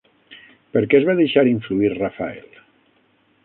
Per què es va deixar influir Rafael?